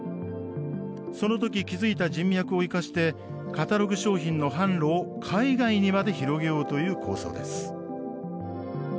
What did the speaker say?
そのとき築いた人脈を生かしてカタログ商品の販路を海外にまで広げようという構想です。